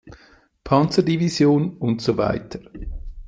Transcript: Panzerdivision usw.